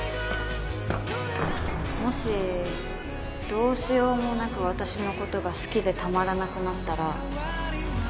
もしどうしようもなく私の事が好きでたまらなくなったら。